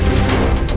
jadi udah apa ini